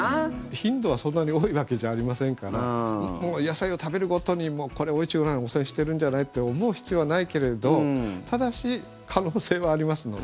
頻度はそんなに多いわけじゃありませんから野菜を食べるごとにこれ、Ｏ−１５７汚染してるんじゃない？と思う必要はないけれどただし、可能性はありますので。